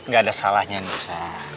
gak ada salahnya anissa